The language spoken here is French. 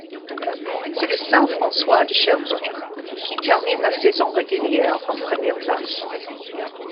C’est le Saint-François de Sherbrooke qui termine la saison régulière en première place.